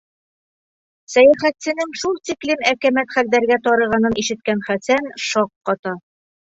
Сәйәхәтсенең шул тиклем әкәмәт хәлдәргә тарығанын ишеткән Хәсән шаҡ ҡата.